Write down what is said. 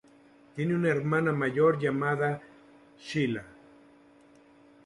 Tiene una hermana mayor llamada Sheila.